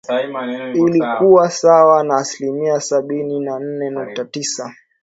Ilkikuwa sawa na asilimia Sabini na nne nukta tisa